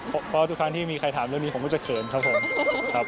เพราะทุกครั้งที่มีใครถามเรื่องนี้ผมก็จะเขินครับผมครับ